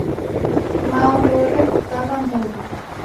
Mao ndoorefughagha nguw'e.